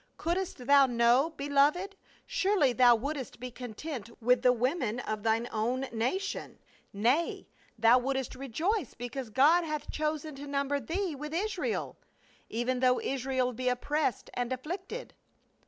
Couldst thou know, beloved, surely thou wouldst be content with the women of thine own nation — nay, thou wouldst rejoice because God hath chosen to number thee with Israel — even though Israel be oppressed and afflicted."